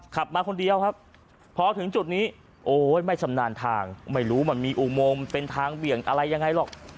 ขับมาคนเดียวครับพอถึงจุดนี้โอ้ยไม่ชำนาญทางไม่รู้มันมีอุโมงเป็นทางเบี่ยงอะไรยังไงหรอก